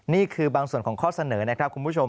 นี่คือบางส่วนของข้อเสนอนะครับคุณผู้ชม